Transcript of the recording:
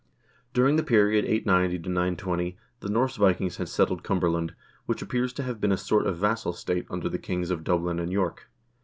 During the period 890 920 the Norse Vikings had settled Cumberland, which appears to have been a sort of vassal state under the kings of Dublin and York.